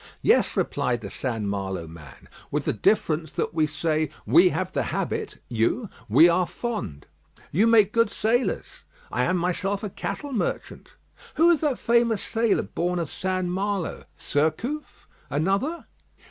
"Yes," replied the St. Malo man, "with the difference that we say, 'We have the habit,' you, 'We are fond.'" "You make good sailors." "I am myself a cattle merchant." "Who was that famous sailor born of St. Malo?" "Surcouf?" "Another?"